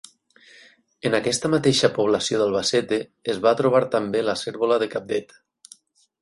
En aquesta mateixa població d'Albacete es va trobar també la cérvola de Cabdet.